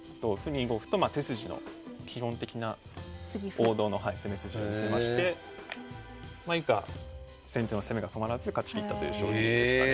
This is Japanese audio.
２五歩と手筋の基本的な王道の攻め筋を見せまして以下先手の攻めが止まらず勝ちきったという将棋でしたね。